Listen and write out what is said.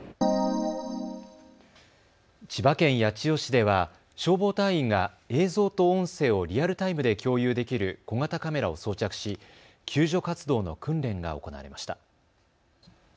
千葉県八千代市では消防隊員が映像と音声をリアルタイムで共有できる小型カメラを装着し救助活動の訓練が行われました。